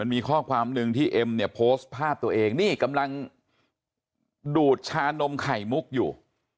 มีข้อความหนึ่งที่เอ็มเนี่ยโพสต์ภาพตัวเองนี่กำลังดูดชานมไข่มุกอยู่